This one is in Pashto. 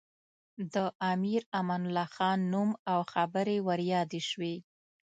د امیر امان الله خان نوم او خبرې ور یادې شوې.